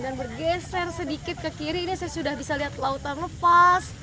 dan bergeser sedikit ke kiri ini saya sudah bisa lihat laut tangepas